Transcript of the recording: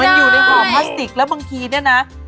มันอยู่ในห่อพลาสติกแล้วบางทีเนี่ยนะ